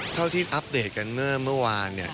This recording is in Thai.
เท่าที่อัปเดตกันเมื่อวานเนี่ย